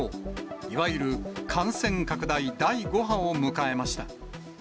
いわゆる感染拡大第５波を迎えました。